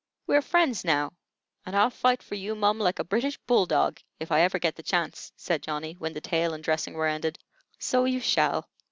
We har' friends now, and I'll fight for you, mum, like a British bull dog, if I hever get the chance," said Johnny, when the tale and dressing were ended. "So you shall.